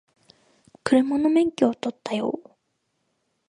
車の免許取ったよ